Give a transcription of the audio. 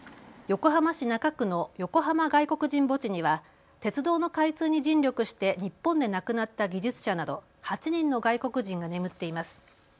横浜市中区の横浜外国人墓地には鉄道の開通に尽力して日本で亡くなった技術者など８人の外国人が眠っています。